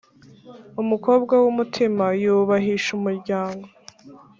Umukobwa w’umutima yubahisha umuryango.